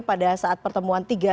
pada saat pertemuan tiga